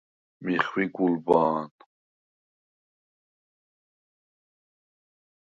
მი ხვი გულბა̄ნ.